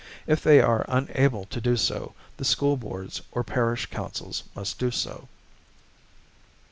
If they are unable to do so, the School Boards or Parish Councils must do so.